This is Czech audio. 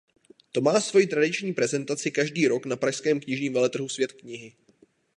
To má svoji tradiční prezentaci každý rok na pražském knižním veletrhu Svět knihy.